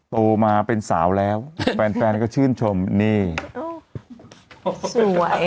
โตมาเป็นสาวแล้วแฟนแฟนก็ชื่นชมนี่สวย